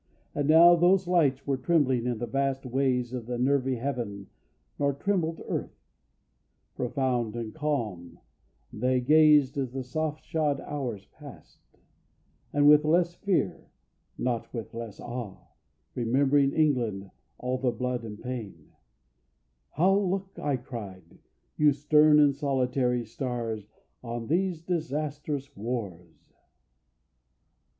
Not now those lights were trembling in the vast Ways of the nervy heaven, nor trembled earth: Profound and calm they gazed as the soft shod hours passed. And with less fear (not with less awe, Remembering, England, all the blood and pain) How look, I cried, you stern and solitary stars On these disastrous wars!